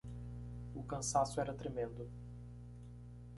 O cansaço era tremendo